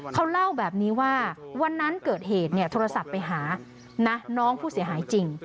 เขาเล่าแบบนี้ว่าวันนั้นเกิดเหตุโทรศัพท์ไปหาน้องผู้เสียหายจริง